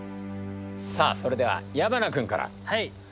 さあそれでは矢花君から。